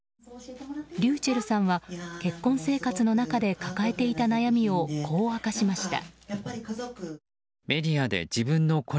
ｒｙｕｃｈｅｌｌさんは結婚生活の中で抱えていた悩みをこう明かしました。